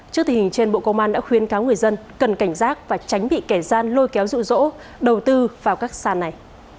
trước thì hình trên bộ công an đã khuyên cáo người dân cần cảnh giác và tránh bị kẻ gian lôi kéo dụ dỗ đầu tư vào các sàn này